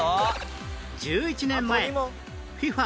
１１年前 ＦＩＦＡ